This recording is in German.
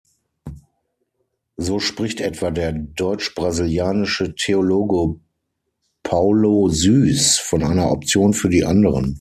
So spricht etwa der deutsch-brasilianische Theologe Paulo Suess von einer „Option für die Anderen“.